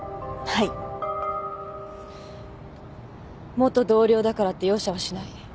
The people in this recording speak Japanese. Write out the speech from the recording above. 元同僚だからって容赦はしない。